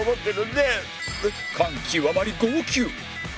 感極まり号泣